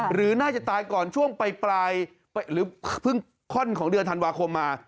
หรือน่าจะตายก่อนช่วงปลายหรือเพิ่งค่อนของเดือนธันวาคมมา